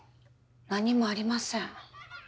何もありません。